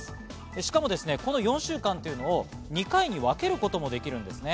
しかもこの４週間を２回に分けることもできるんです。